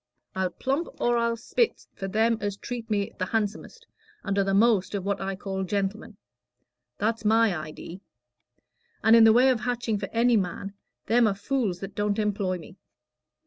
I'll plump or I'll split for them as treat me the handsomest and are the most of what I call gentlemen; that's my idee. And in the way of hatching for any man, them are fools that don't employ me."